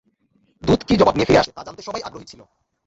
দুত কি জবাব নিয়ে ফিরে আসে তা জানতে সবাই আগ্রহী ছিল।